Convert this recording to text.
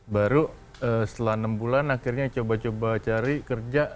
baru setelah enam bulan akhirnya coba coba cari kerja